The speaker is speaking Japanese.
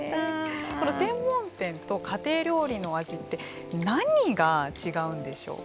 この専門店と家庭料理の味って何が違うんでしょう？